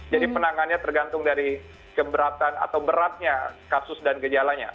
jadi penangannya tergantung dari keberatan atau beratnya kasus dan gejalanya